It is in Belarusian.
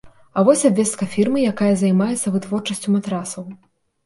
А вось абвестка фірмы, якая займаецца вытворчасцю матрасаў.